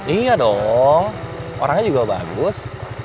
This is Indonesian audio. iya dong orangnya juga bagus